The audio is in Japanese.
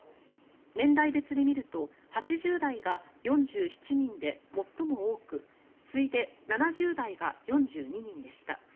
年代別で見ると８０代が４７人で最も多く次いで７０代が４２人でした。